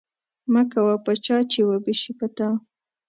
مکوه په چا چې وبه شي په تا.